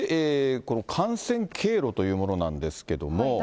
感染経路というものなんですけれども。